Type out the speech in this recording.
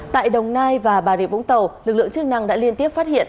tại đồng nai và bà rịa vũng tàu lực lượng chức năng đã liên tiếp phát hiện